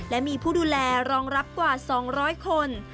และมีผู้ดูแลรองรับกว่า๒๐๐คน